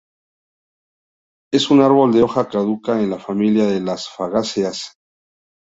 Es un árbol de hoja caduca en la familia de las fagáceas.